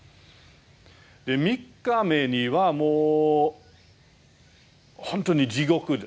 ３日目にはもう本当に地獄です。